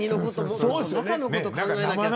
中のことを考えないと。